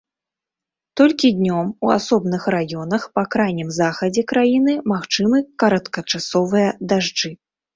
Толькі днём у асобных раёнах па крайнім захадзе краіны магчымы кароткачасовыя дажджы.